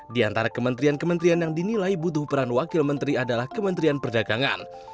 di antara kementerian kementerian yang dinilai butuh peran wakil menteri adalah kementerian perdagangan